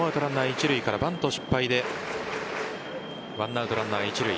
一塁からバント失敗で１アウトランナー一塁。